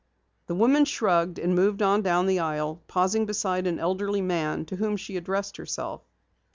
The woman shrugged and moved on down the aisle, pausing beside an elderly man to whom she addressed herself.